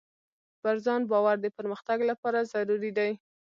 پر ځان باور د پرمختګ لپاره ضروري دی.